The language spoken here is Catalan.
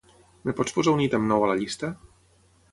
Em pots posar un ítem nou a la llista?